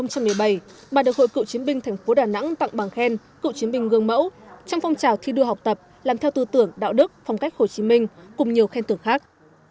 năm hai nghìn một mươi bảy bà được hội cựu chiến binh thành phố đà nẵng tặng bằng khen cựu chiến binh gương mẫu trong phong trào thi đua học tập làm theo tư tưởng đạo đức phong cách hồ chí minh cùng nhiều khen tưởng khác